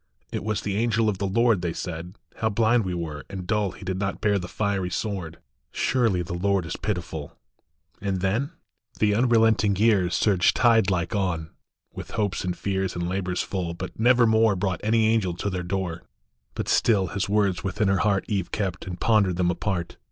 " It was the angel of the Lord," They said. " How blind we were and dull He did not bear the fiery sword ; Surely the Lord is pitiful." And then ? The unrelenting years Surged tide like on, with hopes and fears WHAT THE ANGEL SAID. 21$ And labors full, but nevermore Brought any angel to their door. But still his words within her heart Eve kept, and pondered them apart.